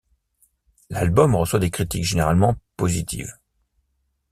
L'album reçoit des critiques généralement positives.